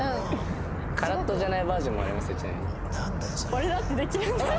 「俺だってできるんだよ」。